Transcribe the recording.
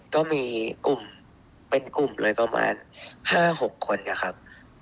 ก็มีกลุ่มเป็นกลุ่มเลยประมาณ๕๖คนนะครับ